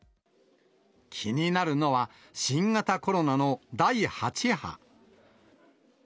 気になるのは、新型コロナの第８波。